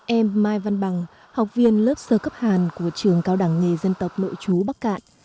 em mai văn bằng học viên lớp sơ cấp hàn của trường cao đẳng nghề dân tộc nội chú bắc cạn